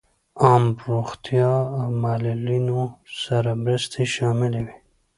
عام روغتیا او معلولینو سره مرستې شاملې وې.